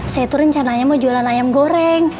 saya itu rencananya mau jualan ayam goreng